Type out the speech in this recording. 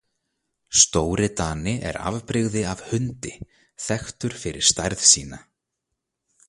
Stóri dani er afbrigði af hundi, þekktur fyrir stærð sína.